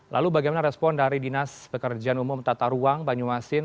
lalu bagaimana respon dari dinas pekerjaan umum tata ruang banyuasin